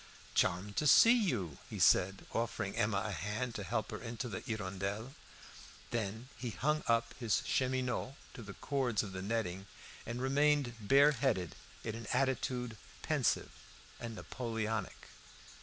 "Charmed to see you," he said, offering Emma a hand to help her into the "Hirondelle." Then he hung up his cheminots to the cords of the netting, and remained bare headed in an attitude pensive and Napoleonic.